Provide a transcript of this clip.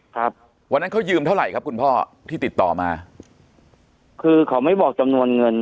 ครับวันนั้นเขายืมเท่าไหร่ครับคุณพ่อที่ติดต่อมาคือเขาไม่บอกจำนวนเงิน